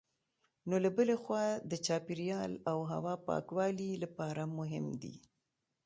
نو له بلې خوا د چاپېریال او هوا پاکوالي لپاره مهم دي.